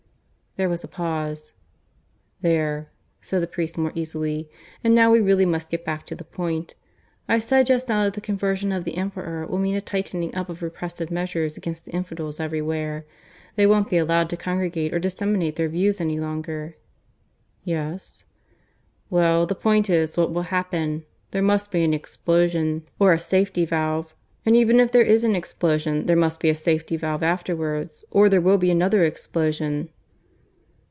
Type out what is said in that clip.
There was a pause. "There," said the priest more easily. "And now we really must get back to the point. I said just now that the conversion of the Emperor will mean a tightening up of repressive measures against the infidels everywhere. They won't be allowed to congregate, or disseminate their views any longer." "Yes?" "Well, the point is, what will happen? There must be an explosion or a safety valve. And even if there is an explosion there must be a safety valve afterwards, or there will be another explosion."